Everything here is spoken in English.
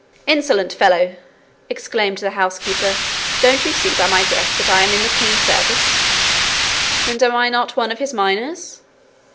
'Insolent fellow!' exclaimed the housekeeper. 'Don't you see by my dress that I am in the king's service?' 'And am I not one of his miners?'